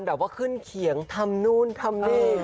แบบว่าขึ้นเขียงทำนู่นทำนี่